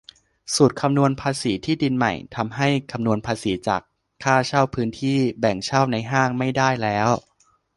สูตรคำนวณภาษีที่ดินใหม่ ทำให้คำนวณภาษีจากค่าเช่าพื้นที่แบ่งเช่าในห้างไม่ได้แล้ว